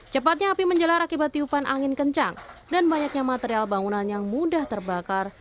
cepatnya api menjelar akibat tiupan angin kencang dan banyaknya material bangunan yang mudah terbakar